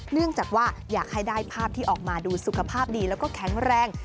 เนื่องจากว่าอยากให้ได้ภาพที่ออกมาดูสุขภาพดีแล้วก็แข็งแรง